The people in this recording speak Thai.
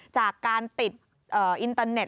จากการติดอินเตอร์เน็ต